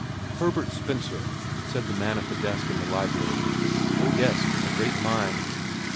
"Herbert Spencer," said the man at the desk in the library, "oh, yes, a great mind."